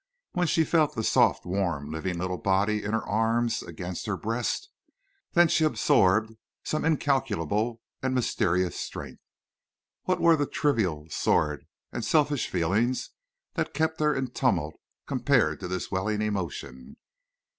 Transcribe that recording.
When she felt the soft, warm, living little body in her arms, against her breast, then she absorbed some incalculable and mysterious strength. What were the trivial, sordid, and selfish feelings that kept her in tumult compared to this welling emotion?